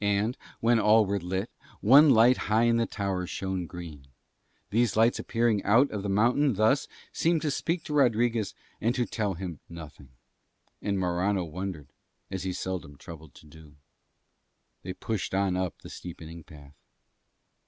And, when all were lit, one light high in a tower shone green. These lights appearing out of the mountain thus seemed to speak to Rodriguez and to tell him nothing. And Morano wondered, as he seldom troubled to do. They pushed on up the steepening path.